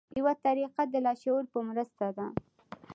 یوه طریقه د لاشعور په مرسته ده.